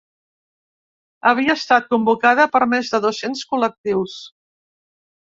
Havia estat convocada per més de dos-cents col·lectius.